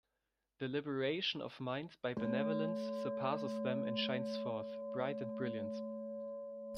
The liberation of mind by benevolence surpasses them and shines forth, bright and brilliant.